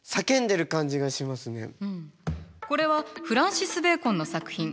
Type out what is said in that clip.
これはフランシス・ベーコンの作品。